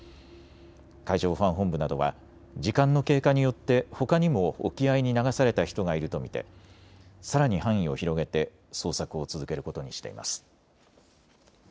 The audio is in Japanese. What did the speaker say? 海上保安本部などは時間の経過によってほかにも沖合に流された人がいると見てさらに範囲を広げて捜索を続けることにしています。